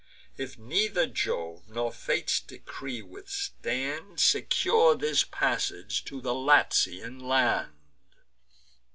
If neither Jove's nor Fate's decree withstand, Secure his passage to the Latian land."